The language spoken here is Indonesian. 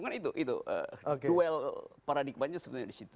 kan itu itu duel paradigma nya sebenarnya disitu